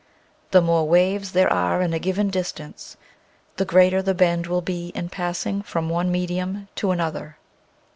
The more waves there are in a given distance the greater the bend will be in passing from one medium to an other.